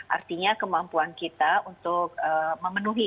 artinya kemampuan kita untuk memenuhi